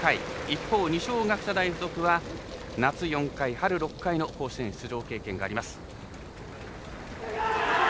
一方、二松学舎大付属は夏４回、春６回の甲子園出場経験があります。